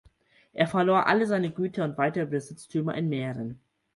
Er verlor alle seine Güter und weiteren Besitztümer in Mähren.